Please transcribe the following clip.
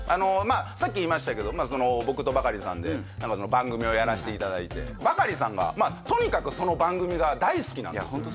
さっき言いましたけど僕とバカリさんで番組をやらせていただいてバカリさんがとにかくその番組が。